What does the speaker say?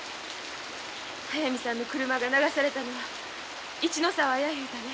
速水さんの車が流されたのは一の沢や言うたね。